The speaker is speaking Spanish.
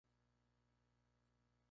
Su nacimiento causó la muerte de su madre.